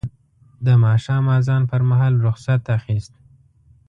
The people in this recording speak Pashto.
د ماښام اذان پر مهال رخصت اخیست.